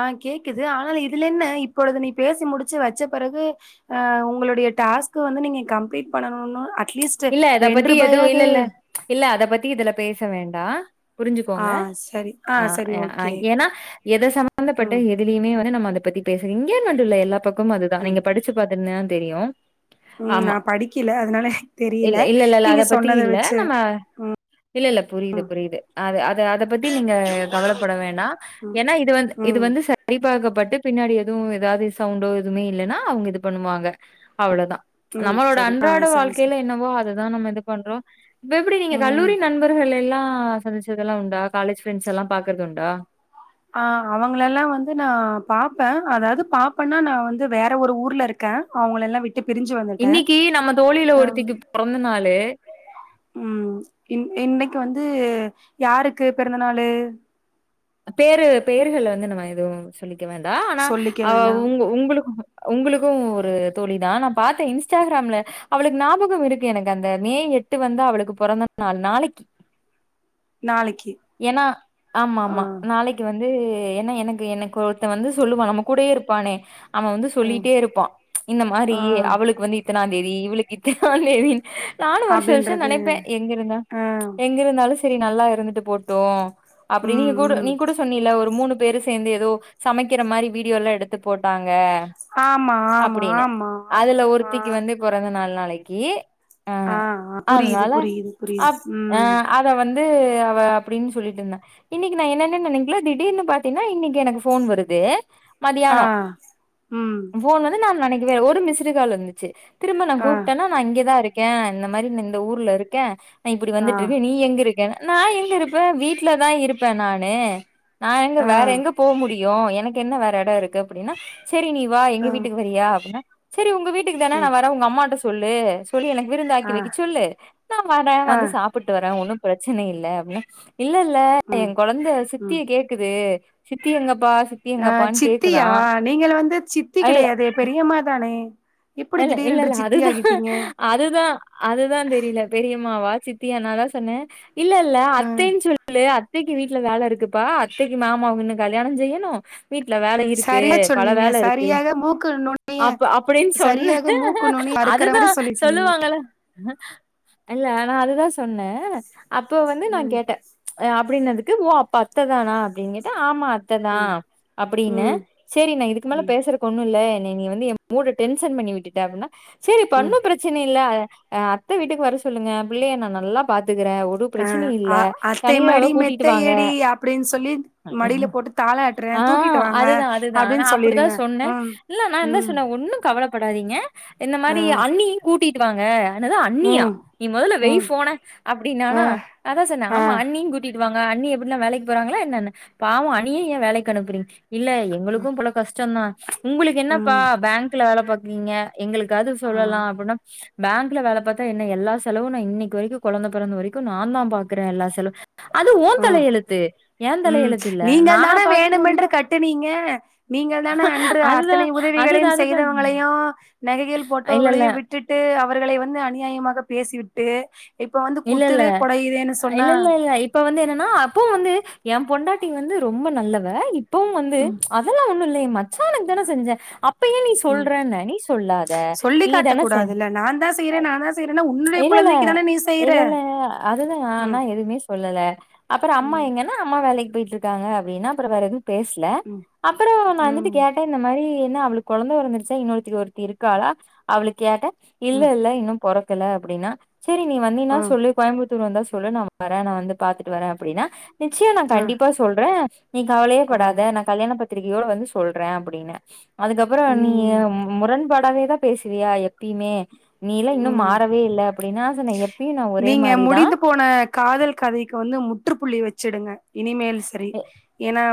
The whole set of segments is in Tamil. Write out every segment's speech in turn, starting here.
ஆ கேக்குது ஆனாலு இதுலென்ன இப்பொழுது நீ பேசி முடிச்சு வெச்ச பிறகு ஆ உங்களுடைய டாஸ்க்கு வந்து நீங்க கம்ப்ளீட் பண்ணணுன அட்லீஸ்ட் இல்ல ரெண்ட்ரூபாயாவது அத பத்தி இதுல பேச வேண்டா ஆ புரிஞ்சுக்கோங்க சரி ஆ அ சரி அ அ ஓகே. ஏன்னா எத சம்பந்தப்பட்ட ம் எ இதுலியுமே வந்து நம்ம அத பத்தி பேச இங்கே மட்டும் இல்ல எல்லா பக்கமும் அதுதா நீங்க ம் படிச்சு பாத்திருந்தேனா தெரியு ம் நா ஆமா படிக்கில அதனால தெரியல. இல்ல இல்ல இல்ல இல்ல நீங்க அத பத்தி சொன்னத இல்ல வச்சு நம்ம இல்ல இல்ல புரிது புரிது அத அத அத பத்தி நீங்க கவலைப்பட வேண்டா ஏன்னா இது வந்து இது ம் வந்து சரிபாக்கப்பட்டு பின்னாடி எதுவு ஏதாவது சவுண்டோ எதுவுமே இல்லன்னா அவுங்க இது பண்ணுவாங்க அவ்ளோதா ம் நம்மளோட சரி ஆ அன்றாட சரி வாழ் சரி என்னவோ அததுதா நம்ம இது பண்றோ இப்ப எப்டி நீங்க ம். கல்லூரி நண்பர்கள் எல்லா சந்திச்சதெல்லா உண்டா காலஜ் பிரரெண்டஸ் எல்லா பாக்கறது உண்டா ஆ அவங்கள எல்லா வந்து நா பாப்ப அதாவது பாப்பன்னா நா வந்து வேற ஒரு ஊர்ல இருக் க அவங்கள எல்லா விட் டு பிரிஞ்சு வந் இன்னிக்கு நம்ம தோழியில ஒருத்திக்கு பொறந்தனாலு ம் இ இன்னிக்கு வந்து யாருக்கு பிறந்தநாளு பேரு பெயர்கள் வந்து நம்ம எதுவு சொல்லிக்க வேண்டா ஆனா சொல்லிக்க அ வேண்டாம். உங்க உங்களுக்கு உங்களுக்கு ஒரு தோழிதா நா பாத்த இன்ஸ்டாகிராம்ல அவளுக்கு ஞாபகம் இருக்கு எனக்கு அந்த மே எட்டு வந்து அவளுக்கு பொறந்த நாள் நாளைக்கி நாளைக்கி ஏன்னா ஆ ஆம்மாம்மா நாளைக்கு வந்து என்ன எனக்கு எனக்கு ஒருத்தவ வந்து சொல்லுவா நம்ம கூடயே இருப்பானே அவ வந்து ஆ சொல்லிட்டே இருப்பா இந்த மாரி ஆ அவளுக்கு வந்து இத்தனாந்தேதி இவளுக்கு இத்தனாந் தேதினு நானு வருஷோ வருஷோ அப்டின்றது நெனைப்பே எங்க இருந்தா ஆ எங்க இருந்தாலும் சரி நல்லா இருந்துட்டு போட்டு அப்படி நீங்க ம் கூட நீ ம் கூட சொன்னில ஒரு மூணு பேரு சேந்து ஏதோ சமைக்கற மாரி வீடியோல்லா எடுத்து த்து போட்டாங்க ஆமா ஆமா அப்டின்னு ஆமா ஆமா அதுல ஆ ஒருத்திக்கு வந்து பொறந்த நாள் நாளைக்கு ஆஹ ஆ ஆ புரியுது அதனால புரியுது புரியுது அப் அ ம் இப்ப வந்து அவ அப்டின்னு சொல்லிட்ருந்தா இன்னிக்கு நான் என்னன்னே நினைக்கல திடீர்னு பாத்தீனா இன்னிக்கு எனக்கு போன் வருது ஆ மதியானோ ம் போன் வந்து நா நெனைக்வே ஒரு மிஸ்டு கால் இருந்துச்சு திரும்ப நா ஆ கூப்ட்டன்னா நா இங்கதா இருக்கே இந்த மாதரி நா இந்த ஊர்ல இருக்கே இப்டி ஆ வந்துட்டுருக்க நீ எங்க இருக் க்க நா எங்க இருப்ப வீட்டுலதா இருப்ப நானு நா எங்க ஆ வேற எங்கப் போ முடியு எனக்கு என்ன வேற எடோ இருக்கு அப்டின்னா செரி நீ வா எங்க ஆ வீட்டுக்கு வறியா அப்டின்னா செரி உங்க வீட்டுக்குதான நா ம் வர உங்க அம்மாட்ட சொல்லு சொல்லி எனக்கு விருந்தாக்கி ஆ வைக்க சொல்லு நா வர ஆ வந்து சாப் புட்டு வர ஒன்னு பிரச்சன இல்ல அப்டின இல்ல இல்ல ம் என் கொழந்த ம் சித்திய கேக்குது சித்தி எங்கப்பா சித்தி ஆ எங்கப்பான்னு கேக்குதா சித்தியா நீங்கள் வந்து சித்தி அய் கெடையாதே பெரியம்மா தானே எப்டி இல்ல திடீரென்று இல்லல்ல சித்தி அதுதா ஆகிட்டீங்க அதுதா அதுதான் தெரியல பெரியமாவா சித்தியா நாதா சொன்னே இல்ல இல்ல ஆ அத்தைனு சொல்லு அத்தைக்கு வீட்ல வேல இருக்குப்பா அத்தைக்கு மாமாவுக்கு இன்னு கல்யாணஞ் செய்யணு வீட்ல வேல இருக்கு சரியா பல சொன்னீங்க வேல இருக்கு சரியாக மூக்கு நுனி அப்ப அப்படின்னு சொ ஒண்ணு சரியாக மூக்கு நுனி அறுக்கற அதுதா மாரி சொல்லிருக்கீங்க சொல்லுவா இல்ல நா அதுதா சொன்னே அப்ப வந்து நான் ம் கேட்டே அப்டினதுக்கு ஓ அப்ப அத்த தானா அப்டின் கேட்டே ஆமா அத் த்த தா ம் அப்புடின்னே ம் செரி நா இதுக்கு மேல ம் பேசுறக்கு ஒண்ணு இல்ல என்னைய நீ வந்து ஏ மூடு டென்ஷன் பண்ணி விட்டுட்ட அப்டினா செரி பண்ணு ம் ப்ரச் ப்ரச்சனை இல்ல அத்தை வீட்டுக்கு வர சொல்லுங்க புள்ளைய நா நல்லா பாத்துக்குறே ஒரு ப்ரச்சன இல்ல அ அத்தை தனியாவே மடி கூட்டிகிட்டு மெத்தை வாங்க எடி அப்டின் சொல்லி மடியில போட்டு தாலாட்றே ஆ தூக்கிட்டு வாங்க அதுதா அதுதா நா அப்டின் அப்புடித்தா சொல்லிருங்க சொன்னே ம் இல்ல நா என்ன ம் சொன்னே ஒன்னும் கவலப்படாதீங்க இந்த ஆ மாரி அண்ணியையு கூட்டிகிட்டு வாங்க என்னது அண்ணியா ம் நீ மொதல்ல வை ம் போன ஆ அப்டினான்னா அதா சொன்னே ஆ ஆமா அண்ணியும் கூட்டிட்டு வாங்க அண்ணி எப்டின்னா வேலைக்கு போறாங்களா என்னன்னு பாவோ அண்ணியே ஏ வேலைக்கு அனுப்புறீங்க இல்ல எங்களுக்கு பல கஷ்டோந்தா உங்களுக்கு ம் என்னப்பா ஃபேங்க்ல வேல பாக்குறீங்க எங்களுக்காது ஆ சொல்லலா அப்புன்னா பேங்க்ல வேல பாத்தா என்ன எல்லா செலவு நா இன்னைக்கு வரைக்கு கொழந்த பெறந்த வரைக்கு நான்தா பாக்குறே எல்லா செலவு அ ம் தலையெழுத்து இல்ல நீங்கள் நானா தானே பாக்க முடியும் வேணுமென்று கட்டு நீங்க நீங்கள் தானே அன்று அதுதா அத்தனை அதுதா உதவிகளையும் அதுதா செய்தவங்களையு நகைகள் இல்ல இல்ல போட்டவர்களையு விட்டு விட்டுட்டு அவர்களை வந்து அநியாயமாக பேசி விட்டு இப்ப வந்து இல்ல இல்ல குத்துதே கொடையுதேன்னு சொன்னா இல்ல இல்ல இல்ல இப்ப வந்து என்னன்னா அப்போவு வந்து ஏ பொண்டாட்டி வந்து ரொம்ப நல்லவ இப் இப்பவும் வந்து ம் அதல்லா ஒண்ணு இல்லயே ஏ மச்சானுக்கு தான செஞ்சே அப் அப்ப ஏ நீ ம் சொல்றன்னே நீ சொல்லாத சொல்லி நீ காட்ட தான செஞ் கூடாதுல்ல நான் தான் செய்றேன் நான் தான் செய்றேன்னா உன்னுடைய குழந்தைக்கு தான நீ செய்ற இல்லல்ல அதுதா நான்தா ம் எதுவுமே சொல்லல அப்பறோ அம்மா ம் எங்கேன் னு அம்மா வேலைக்கு போயிட்ருக்காங்க அப்டின்னா அப்பறோ வேற எதுவும் பேசல ம் அப்பறோ நா வந்துட்டு ம் கேட்டே இந்த மாரி என்ன அவளுக்கு கொழந்த பொறந்துருச்சா இன்னொருத்திக்கு ஒருத்தி இருக்காலா அவளுக் கேட்டே இல்ல ம் இல்ல இன்னு பொறக்கல அப்டின்னா சேரி நீ வந்தீன்னா ஆ சொல்லு கோயம்புத்தூர் வந்தா சொல்லு நா வரே நா வந்து பாத்துட்டு வரே அப்புடின்னா நிச்சியோ நா ஆ கண்டிப்பா சொல்றே நீ ஆ கவலையேப்படாத நா கல்யாண பத்திரிகையோட வந்து சொல்றே அப்புடின்னே அதுக்கப்பறோ நீயே ம் முரண்படாமயே தான் பேசுவியா எப்பையுமே நீ எல்லா இன்னு ம் மாறவே இல்ல அப்புடின்னா நா சொன்னே எப் நீங்க முடிந்து போன காதல் கதைக்கு வந்து முற்றுப்புள்ளி வச்சுடுங்க இனிமேல்ஸ்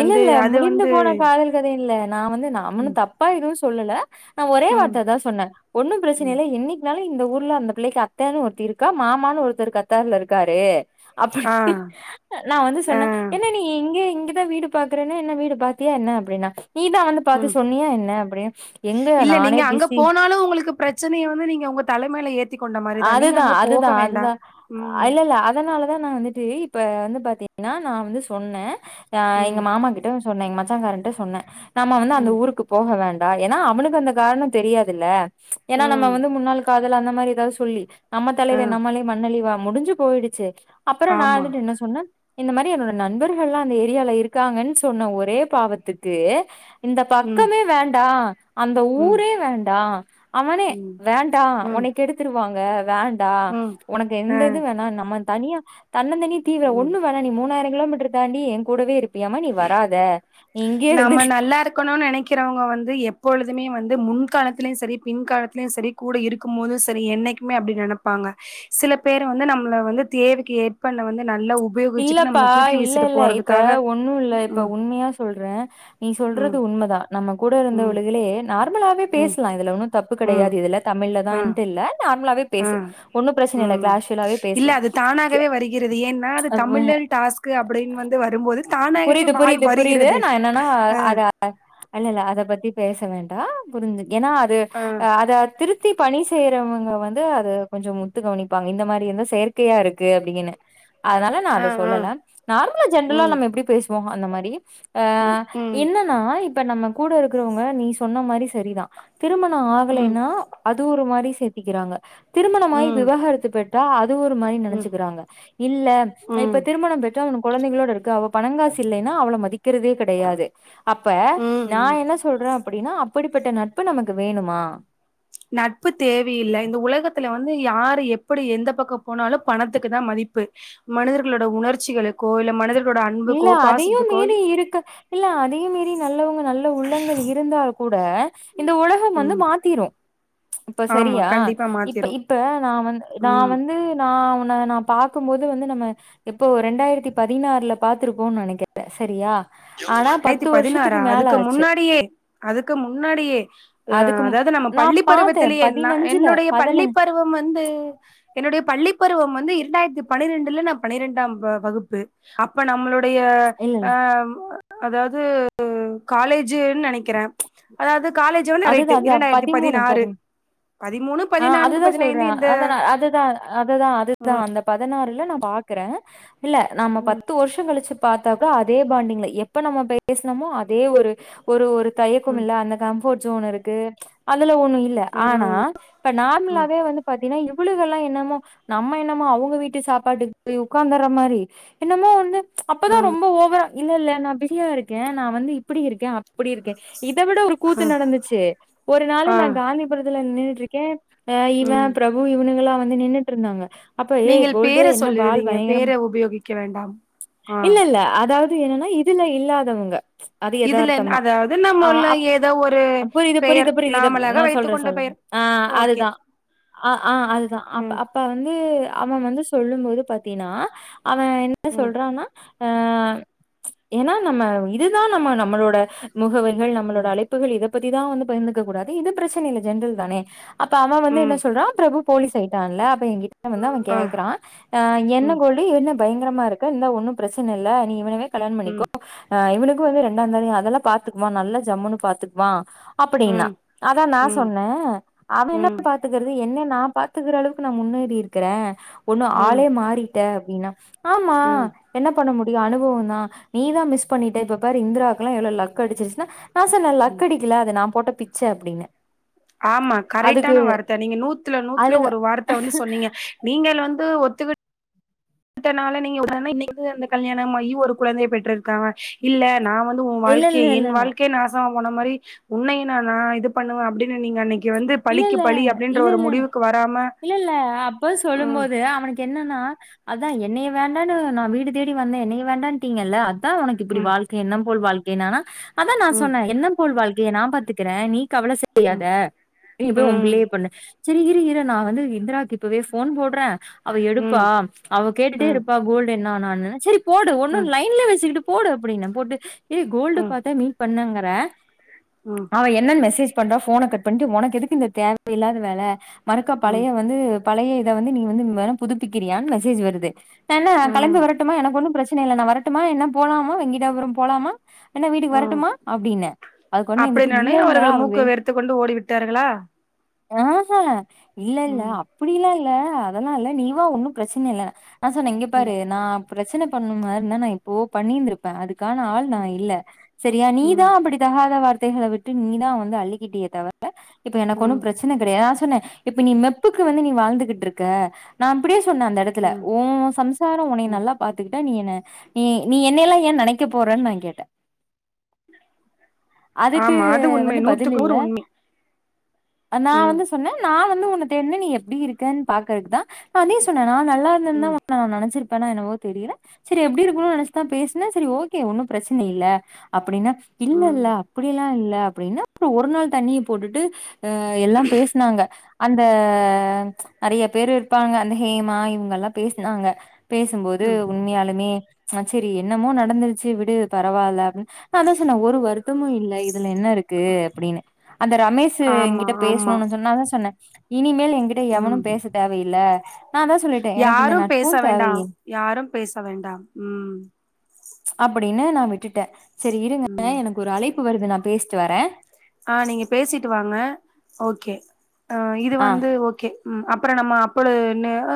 இல்லேல்ல முடிந்து போன காதல் கதை இல்ல நா வந்து நாம ஒன்னு ம் தப் தப்பா எதுவு சொல்லல்ல நா ஒரே ம் வார்த்த தா சொன்னே ஒண்ணு ப்ரச்சனை ம் இல்ல என்னைக் கினாலு இந்த ஊர்ல அந்த புள்ளைக்கு அத்தன்னு ஒருத்தி இருக்கா மாமான்னு ஒருத்தர் கத்தார்ல இருக்காரு அப்புடி ஆ நா வந்து ஆ சொன்னே நீ எங்க இங்கதா வீடு பாக்குறேன்னு என்ன வீடு பாத்தியா என்ன அப்புடின்னா நீ தா வந்து பாத்து ம் சொன்னியா என்ன அப்புடினு எங்க நானே பிஸி ப்ரச்சனைய வந்து நீங்க உங்க தல மேல ஏத் அதுதா அதுதா அதுதா ம் இல்ல இல்ல அது அதனாலதா நா வந்துட்டு இப்ப வந்து பாத்தீங்கன்னா நா வந்து சொன்னே அ எங்க ம் மாமா கிட் டயு சொன்னே எங்க மச்சாங்காரகிட்டயு சொன்னே நம்ம வந்து அந்த ம் ஊருக்கு போக வேண்டா ஏன்னா அவனுக்கு அந்த காரணம் தெரியாதுல்ல ஏன்னா நம்ம ம் வந்து முன்னாள் காதல் அந்த மாரி ஏதாவது சொல்லி நம்ம ஆ தலையில நம்மளே மண்ணல்லிவா முடிஞ்சு போயிடுச்சு அப்பறோ நா ஆமா வந்துட்டு என்ன சொன்னே இந்த மாரி என்னோட நண்பர்கள்லா அந்த ஏரியால இருக்காங்கன்னு சொன்ன ஒரே பாவத்துக்கு இந்த ம் பக்கமே வேண்டா அந்த ம் ஊரே வேண்டா அவனே ம் வேண்டா ம் ஒன்னைய கெடுத் துருவாங்க வேண்டா ம் ஒனக்கு எந்த இது வேணா நம்ம தனியா தன்னந்தனி தீ ம் ஒண்ணு வேணா நீ மூணாயிரோ கிலோமீட்டர் தாண்டி என் கூடவே இருப்பியமா நீ வராத நீ இங்கேயே நம்ம இருந்துக்க நல்லா இருக்கணும்னு நெனைக் வங்க வந்து எப்பொழுதுமே வந்து முன்காலத்திலியு சரி பின் காலத்திலியு சரி கூட இரு க்கும் போது சரி என்னைக்குமே அப்டி நெனப்பாங்க சில பேர் வந்து நம்மள வந்து தேவைக்கு ஏற்பண்ண வந்து நல்ல இல்லப்பா இல்ல இல்ல இப்ப ஒண்ணு இல்ல இப்ப ம் உண்மையா சொல்ற நீ சொல்றது ம் உண்மதா நம்ம கூட ம் இருந்தவளுகளே நார்மலாவே ம் பேசலா இதுல ஒன்னு தப்பு ம் கெடையாது இதுல அ தமிழ்லதான்ட்டு இல்ல நார்மலாவே அ பேசு ஒன்னு பிரச்சனை இல்ல ம் கேஷுவலாவே இல்ல பேசலா அது தானாகவே வருகிறது ஏன்னா அது தமிழ்ல்லனு டாஸ்க் அப்டின்னு வந்து வரும்போது தானாகவே புரிது வாய் புரிது புரிது வருகிறது நா என்னன்னா அத அ இல்லல்ல அத பத்தி பேச வேண்டா புரிஞ்சு ஏன்னா அது அ அத திருத் தி பணி செய்யறவங்க வந்து அத கொஞ்சோ உத்து கவனிப்பாங்க இந்த மாரி இருந்த செயற்கையா இருக்கு அப்டீன்னு அதனால நா அ அத அ சொல்லல நார்மலா ஜென்ரலா ம் நம்ம எப்டி பேசுவோமோ அந்த மாரி ம் அஹ் ம் என்னன்னா இப்ப நம்ம கூட இருக்கறவங்க நீ சொன்ன மாரி சரிதா திருமணோ ம் ஆகலைன்னா அது ஒரு மாரி சேத்திக்கிறாங்க திருமணமாயி ம் விவாகரத்து பெற்றா அது ஒரு மாரி ம் நெனச்சுக்குறாங்க இல்ல இப்ப ம் திருமணம் பெற்றா அவனுக்கு குழந்தைங்களோட இருக்கு அவ பணங்காசு இல்லைன்னா அவள மதிக்கிறதே கிடையாது அப்ப ம் நா ம் என்ன சொல்ற அப்டின்னா அப்படிப்பட்ட நட்பு நமக்கு வேணுமா நட்பு தேவையில்லை இந்த உலகத்துல வந்து யாரு எப்டி எந்த பக்க போனாலு பணத்துக்கு தா மதிப்பு மனிதர்களோட உணர்ச்சிகலுக்கோ இல்ல மனதர் இல்ல அதையு மீறி இருக்கு இல்ல அதையு மீறி நல்லவங்க நல்ல உள்ளங்கள் இருந்தால் கூட இந்த உல கம் வந்து ம் மாத்திரு இப்ப ஆமா சரியா கண்டிப்பா இப்ப மாத்திரு இப்ப ந வந்து நா ம் வந்து ந உன நா பாக்கும் போது வந்து நம்ம எப்போ ரெண்டாயிரத்தி பதினாறுல பாத்துருப்போம்னு நெனக்கிற சரியா ஆனா ரெண்டாயிரத்தி பத்து பதினாறா வருஷத்துக்கு மேல அதுக்கு ஆச்சு முன்னாடியே அதுக்கு முன்னாடியே அஹ் அதுக்கு மு அதாவது நம்ம நான் பள்ளி பாத்தேன் பருவத்திலேயே ன பதினஞ்சுல என்னுடைய பள்ளி பதினஞ் பருவம் வந்து என்னுடைய பள்ளி பருவம் வந்து இரண்டாயிரத்து பன்னிரெண்டுல நா பனிரெண்டாம் வகுப்பு அப்ப நம்மளோ உடைய இல்லல்ல அஹ் அதாது காலேஜீன்னு நெனைக்கற அதாவது காலேஜ் வந்து கரைட்டு அதுதான் அதுதான் இரண்டாயிரத்து பதினாறு பதிமூணு அஹ் பதினான்கு அதுதா சொல்ற பதினைந்து இந்த அத அதுதா அததா அதுதா ம் அந்த பதினாறுல நா பாக்கற இல்ல நாம பத்து வருஷோ கழிச்சு பாத்தாக்கா அதே பாண்டிங்ல எப்ப நம்ம பேசனமோ அதே ஒரு ஒரு ஒரு தயக்கம் ம் இல்ல அந்த கம்ஃபோர்ட் ஜோன் இருக்கு அதுல ஒண்ணு இல்ல ம் ம் ஆனா இப்ப ம் நார்மலாவே வந்து பாத்தீன்னா இவளுகல்லா என்னமோ நம்ம என்னமோ அவுங்க வீட்டு சாப்பாட்டுக்கு உக்காந்தற மாரி என்னமோ வந்து அப்பதா ரொம்ப ஓவரா இல்ல இல்ல நா பிஸியா இருக்கே நா வந்து இப்டி இருக்கே அப்டி இருக்கே இத விட ஒரு கூத்து நடந்துச்சே ஒரு நாள் ஆ நா காந்திபுரத்துல நின்னுட்டுருக்கே அஹ் இவ ம் பிரபு இவனுங்களெல்லா வந்து நின்னுட்டுருந்தாங்க அப்ப ஏய் நீங்கள் கோல்டு பேர என்ன பால் சொல்லிறீங்க பேர பயங்கரம் உபயோகிக்க வேண்டாம் ஆ இல்ல இல்ல அதாவது து என்னென்னா இதுல இல்லாதவங்க அது இதுல எதார்த்தமா அதாவது ஆ நம்மள்ள அப் ஏதோ ஒரு அ புரிது பெயர் புரிது புரிது இதப் நாமளாக நா வைத்துக் சொல்ற கொண்ட சொல்ற பெயர் அ ஆ ஓகே அதுதா ஆ ஆ அதுதா அப்ப ம் அப் ப வந்து அவ வந்து சொல்லும்போது பாத்தீன்னா அவ என்ன ம் சொல்றான்னா ஏன்னா நம்ம இதுதா நம்ம நம்மளோட முகவர்கள் நம்மளோட ம் அழைப் புகள் இத பத்திதா வந்து பயிந்துக்க கூடாது இது ப்ரெச்சன இல்ல ஜென்ரல் தானே அப்ப அவ வந்து என்ன ம் சொல்றா பிரபு போலிஸ் ஆயிட்டான்ல அப்ப எங்கிட்ட வந்து அவ ஆ கேக்குறா அ என்ன ம் கோல் டி என்ன பயங்கரமா இருக்க இந்த ஒன்னு ப்ரெச்சன இல்ல நீ இவனைவே கல்யாணம் ம் பண்ணிக்கோ ஆ இவனுக்கு வந்து ரெண்டாந்தான அதெல்லா பாத்துக்குவா நல்ல ஜம்முன்னு பாத்துக்வா அப்படின்னா ம் அதா நா ம் சொன்னே அவ ம் என்னத்த பாத்துக்கறது என்னைய நா பாத்துக்கிற அளவுக்கு நா முன்னேறி இருக்கிறே ஒண்ணு ம் ஆளே மாறி ட்ட அப்டின்னா ஆமா ம் என்ன பண்ண முடியு அனுபவோந்தா நீ தா மிஸ் பண்ணிட்ட இப்ப பாரு இந்திராக்கெல்லா எவ்ளோ லக் அடிச்சிருச்னா நா சொன்ன ம் லக்கடிக்கில அது நா போட்ட பிச்ச அப்டின்ன ஆமா கரைட்டான வார்த்த நீங்க நூத்துல நூத்துல அதுக்கு ஒரு வார்த்த வந்து சொன்னீங்க நீங்கள் வந்து ஒத்துக்கிட் னால நீங்க [inaudible] இன்னைக்கு வந்து கல்யாணம் ஆயி ஒரு குழந்தைய பெற்றிருக்காங்க இல்ல நா வந்து உ இல்ல, வாழ்க்கே இல்ல, என் இல்ல, இல்ல. வாழ்க்கே நா சோ பண்ண மாரி உன்னையு நா நா இது பண்ணுவ அப்புடினு நீங்க அன்னைக்கு வந்து இல்ல பழிக்கு இல்ல பழி அப்டின்ற இல்ல ஒரு இல்ல முடிவுக்கு வராம இல்ல இல்ல அப்போ சொல்லும் ம் போது அவனுக் க் என்னென்னா அதா என்னய வேண்டானு நா வீடு தேடி வந்தே என்னைய வேண்டான்டீங்கல்ல அ தா உனக்கு இப்பிடி ம் வாழ்க்க எண்ணம் போல் வாழ்க்கைனானா அதா நா ம் சொன்ன எண்ணம் போல் வாழ்கைய நா பாத்துக்குறே நீ கவல செய்யாத ம் நீ போய் ம் உம்புள்ளய பண்ணு செரி இரு இரு நா வந்து இந்திராக்கு இப்பவே ஃபோன் போட்றே அவ எடுப்பா ம் அவ கேட்டுட்டே ம் இருப்பா கோல்டு என்னா ஆனானு செரி போடு ஒன்னு ம் லைன்லே வெச்சிக்கிட்டு போடு அப்புடின்ன போட்டு ஏ கோல்டு ம் பாத்தா மீட் பண்ணங்கற ம் அவ என்னன் மெசேஜ் பண்றா ஃபோன கட் பண்ட்டு உனக்கு எதுக்கு இந்த தேவயில்லாத வேல மறுக்கா ம் பழய வந்து பழைய இத வந்து நீ வந்து மறம் புதுப்பிக்கிறியான் மெசேஜு வருது வேண்ணா களம்பி ம் வரட்டுமா எனக்கு ஒன்னும் ப்ரெச்சன ன இல்ல நா வரட்டுமா என்ன போலாமா வெங்கடாபுரம் போலாமா என்ன வீட்டுக்கு ம் வரட்டுமா அப்டின அதுக்கு ஒட்னே வந்துட்டு இல்ல இல்ல அவ வெ த்துக்கொண்டு ஓடிவிட்டார்களா ஆ ஆ இல்ல இல்ல ம் அப்படியில்லா இல்ல அதெல்லா இல்ல நீ வா ஒன்னு ப்ரெச்சன இல்ல நா சொன்ன இங்க ம் பாரு நா ப்ரெச்சன பண்ணும் மாரினா நா எப்வோ பண்ணிந்துருப் அதுக்கான ஆள் நா இல்ல செரியா நீதா ம் அப்படி தகாத வார்த்தைகள விட்டு நீதா வந்து அள்ளிக்கிட்டியே தவிர இப்ப எனக்கொன்னும் ம் ப்ரெ ச்சின கெடையா நா சொன்னே இப்ப நீ மெப்புக்கு வந்து நீ வாழ்ந்துகிட்டுருக்க நா அப்டியே சொன்னே அந்த எடத் துல ம் ஊ சம்சாரோ உன்னய ம் நல்லா பாத்துக்கிட்டா நீ என்ன நீ நீ என்னயெல்லா ஏ நெனைக்க போறன் நா கேட்டே அதுக்கு ஆமா அது உண்மை வந்து பதில் நூத்துக்கு இல்ல நூறு உண்மை நா ம் வந்து சொன்ன நா வந்து உன்ன தேட்ன நீ எப்டி இருக்கன் பாக்கறக்குதா நா நீ சொன்ன நா நல்லா இல்லனா ம் உன்ன நா நெனச்சிருப்பனா என்னவோ தெரியில சீரி எப்டி இருக்குன் நெனச்தா பேசுன செரி ஓகே ஒன்னும் ப்ரெச்சின இல்ல அப்புடின்ன இல்ல ம் இல்ல அப்புடி எல்லா இல்ல அப்டின்ன அப்றோ ஒரு நாள் தண்ணிய போட்டுட்டு அ எல்லாம் பேஸ்னாங்க அந்த நெறைய பேரு இருப்பாங்க அந்த ஹேமா இவுங்கல்லா பேசுனாங்க பேசும்போது ம் உண்மையாலுமே ஆ செரி என்னமோ நடந்துருச்சு விடு பரவால்ல அப்னு நாதா சொன்ன ஒரு வருத்தமு இல்ல இதுல என்ன இருக்கு அப்டின்னு அந்த ரமேஷு ஆமா என்கிட்ட ஆமா பேசுணுனு சொன்னாவு சொன்னே இனிமேல் என்கிட்ட எவனு ம் பேச தேவயில்ல நா அதா சொல்லிட்டே எனக்கு இந்த யாரும் நட்பு பேச தேவயி வேண்டாம் யாரும் பேச வேண்டாம் ம் அப்டின்னு நா விட்டுட்டே சரி இருங்க ம் எனக்கு ஒரு அழைப்பு வருது நா பேசிட் வரே ஆ நீங்க பேசிட்டு வாங்க ஓகே அ இது ஆ வந்து ஓகே ம் அப்றம் நம்ம அப்பழுன்னு